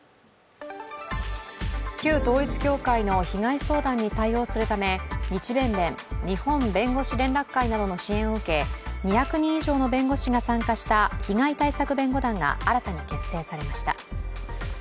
旧統一教会の被害相談に対応するため日弁連＝日本弁護士連絡会などの支援を受け、２００人以上の弁護士が参加した被害対策弁護団が新たに結成されました。